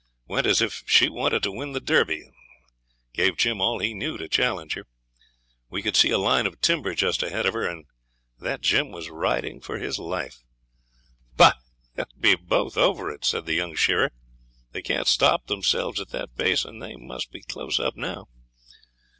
Went as if she wanted to win the Derby and gave Jim all he knew to challenge her. We could see a line of timber just ahead of her, and that Jim was riding for his life. 'By ! they'll both be over it,' said the young shearer. 'They can't stop themselves at that pace, and they must be close up now.'